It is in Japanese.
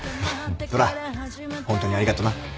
虎ホントにありがとな。